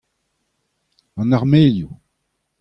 En armelioù.